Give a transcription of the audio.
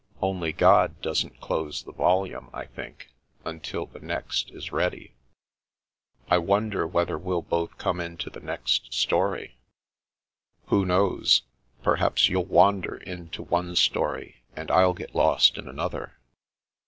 Only God doesn't close the volume, I think, until the next is ready." " I wonder whether we'll both come into the next story?" " Who knows ? Perhaps you'll wander into one story, and I'll get lost in another."